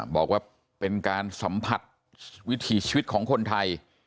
บอกว่าเป็นการสัมผัสวิถีชีวิตของคนไทย